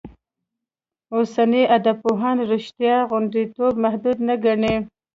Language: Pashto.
اوسني ادبپوهان رشتیا غوندېتوب محدود نه ګڼي.